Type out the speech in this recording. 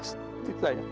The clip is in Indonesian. siapa lelaki pokoknya